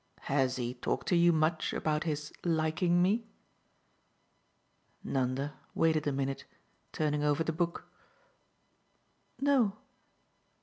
"Has he talked to you much about his 'liking' me?" Nanda waited a minute, turning over the book. "No."